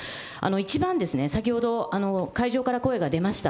一番、先ほど、会場から声が出ました。